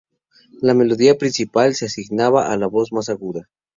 La melodía principal se asignaba a la voz más aguda.